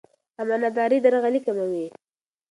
امانتداري درغلي کموي.